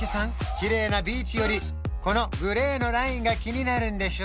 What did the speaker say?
きれいなビーチよりこのグレーのラインが気になるんでしょ？